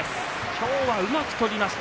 今日はうまく取りました。